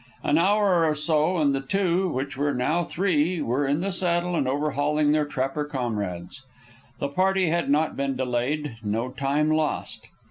An hour or so and the two, which were now three, were in the saddle and overhauling their trapper comrades. The party had not been delayed; no time lost.